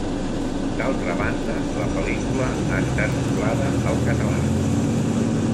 D'altra banda, la pel·lícula ha estat doblada al català.